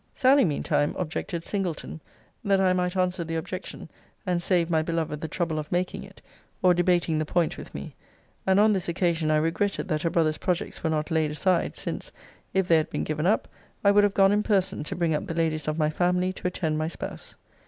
'Sally, meantime, objected Singleton, that I might answer the objection, and save my beloved the trouble of making it, or debating the point with me; and on this occasion I regretted that her brother's projects were not laid aside; since, if they had been given up, I would have gone in person to bring up the ladies of my family to attend my spouse.